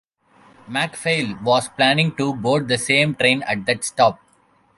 MacPhail was planning to board the same train at that stop.